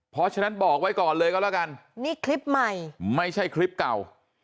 เพราะฉะนั้นบอกไว้ก่อนเลยก็แล้วกันนี่คลิปใหม่ไม่ใช่คลิปเก่า